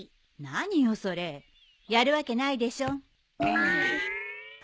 何よそれやるわけないでしょ。